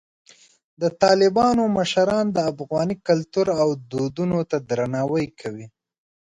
د طالبانو مشران د افغاني کلتور او دودونو ته درناوی کوي.